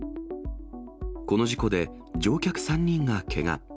この事故で乗客３人がけが。